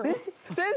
先生